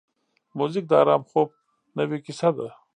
موزیک د آرام خوب نوې کیسه ده.